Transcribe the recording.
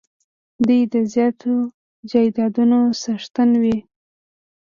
دوی د زیاتو جایدادونو څښتنان وي.